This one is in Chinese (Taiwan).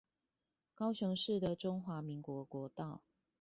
高雄市的中華民國國道